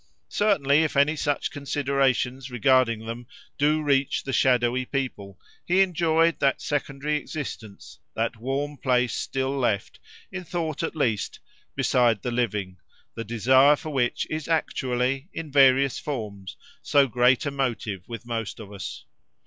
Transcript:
Certainly, if any such considerations regarding them do reach the shadowy people, he enjoyed that secondary existence, that warm place still left, in thought at least, beside the living, the desire for which is actually, in various forms, so great a motive with most of us.